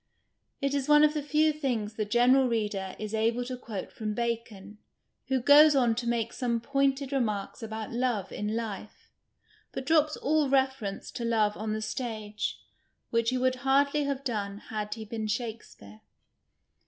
It is one of the few things the general reader is able to quote from Bacon, who goes on to make some pointed remarks about love in life, but drops all reference to love on the stage, which he would hardly have done had he been Shakespeare.